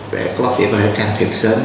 để bác sĩ có thể can thiệp sớm